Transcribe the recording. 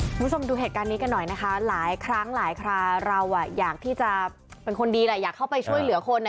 คุณผู้ชมดูเหตุการณ์นี้กันหน่อยนะคะหลายครั้งหลายคราเราอยากที่จะเป็นคนดีแหละอยากเข้าไปช่วยเหลือคน